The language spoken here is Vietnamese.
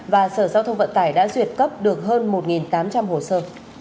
và sở giao thông vận tải đã duyệt cấp được hơn một tám trăm linh hồ sơ